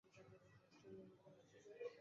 যেটা একটু আশ্চর্যজনক।